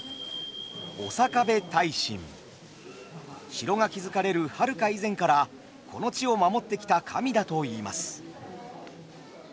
城が築かれるはるか以前からこの地を守ってきた神だといいます。